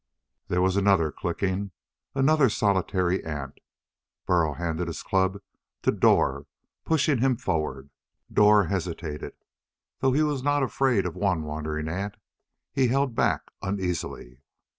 There was another clicking. Another solitary ant. Burl handed his club to Dor, pushing him forward. Dor hesitated. Though he was not afraid of one wandering ant, he held back uneasily.